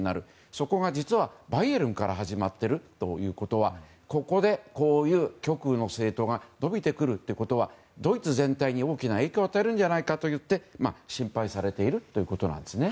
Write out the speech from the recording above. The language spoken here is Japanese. そこが実は、バイエルンから始まっているということはここで、こういう極右の政党が伸びてくるということはドイツ全体に大きな影響を与えるんじゃないかといって心配されているということです。